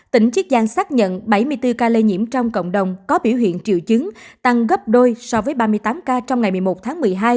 tỉnh chiết giang xác nhận bảy mươi bốn ca lây nhiễm trong cộng đồng có biểu hiện triệu chứng tăng gấp đôi so với ba mươi tám ca trong ngày một mươi một tháng một mươi hai